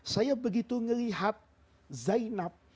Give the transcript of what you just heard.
saya begitu melihat zainab